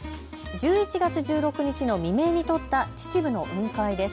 １１月１６日の未明に撮った秩父の雲海です。